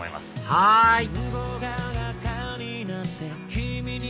はい！